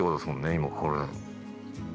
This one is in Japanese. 今これ。